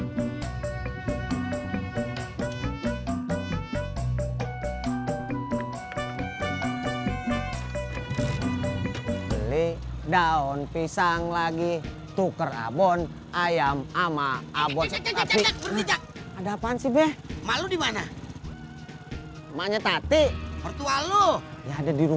saksikan film kamu tidak sendiri